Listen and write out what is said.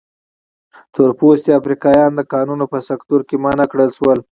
تور پوستي افریقایان د کانونو په سکتور کې منع کړل شول.